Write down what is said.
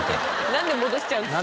なんで戻しちゃうんですか？